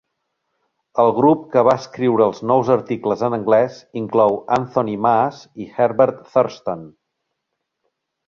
El grup que va escriure els nous articles en anglès inclou Anthony Maas i Herbert Thurston.